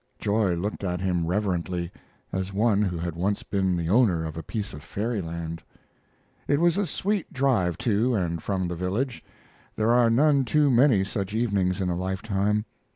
Joy looked at him reverently, as one who had once been the owner of a piece of fairyland. It was a sweet drive to and from the village. There are none too many such evenings in a lifetime.